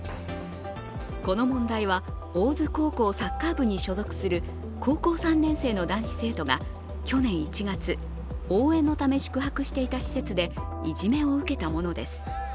この問題は、大津高校サッカー部に所属する高校３年生の男子生徒が去年１月、応援のため宿泊していた施設でいじめを受けたものです。